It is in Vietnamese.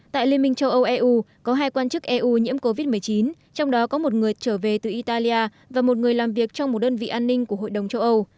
tại liên minh châu âu eu có hai quan chức eu nhiễm covid một mươi chín trong đó có một người trở về từ italia và một người làm việc trong một đơn vị an ninh của hội đồng châu âu